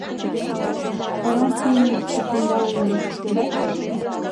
«Авиахим ушемда уло?» — йодат.